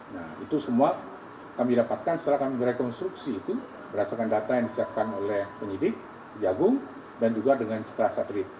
nah itu semua kami dapatkan setelah kami rekonstruksi itu berdasarkan data yang disiapkan oleh penyidik jagung dan juga dengan setelah satelit